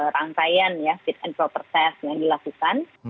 rangkaian ya fit and proper test yang dilakukan